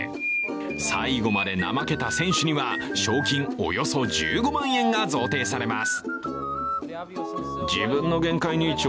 最後まで怠けた選手には賞金およそ１５万円が贈呈されます。